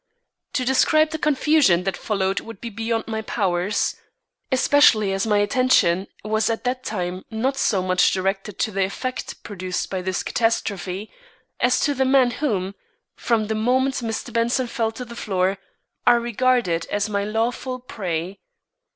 To describe the confusion that followed would be beyond my powers, especially as my attention was at the time not so much directed to the effect produced by this catastrophe, as to the man whom, from the moment Mr. Benson fell to the floor, I regarded as my lawful prey.